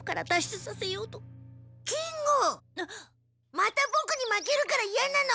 またボクに負けるからいやなの？